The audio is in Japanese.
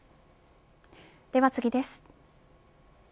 では次です。